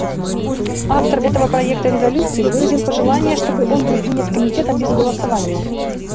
Автор этого проекта резолюции выразил пожелание, чтобы он был принят Комитетом без голосования.